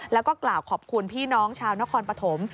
แล้วก็กล่าวขอบคุณพี่น้องชาวนครปฐม